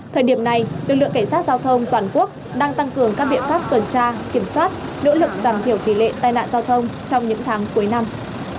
thời điểm này lực lượng cảnh sát giao thông toàn quốc đang tăng cường các biện pháp tuần tra kiểm soát nỗ lực giảm thiểu tỷ lệ tai nạn giao thông trong những tháng cuối năm